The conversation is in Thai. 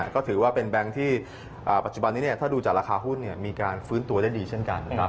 ก็ถือว่าเป็นแบงค์ที่ปัจจุบันนี้ถ้าดูจากราคาหุ้นมีการฟื้นตัวได้ดีเช่นกันนะครับ